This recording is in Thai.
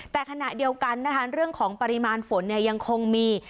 แต่ขณะเดียวกันนะคะเรื่องของปริมาณฝนยังคงมี